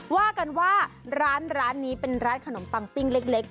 ว่ากันว่าร้านนี้เป็นร้านขนมปังปิ้งเล็ก